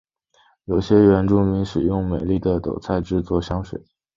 有些原住民使用美丽耧斗菜制作香水。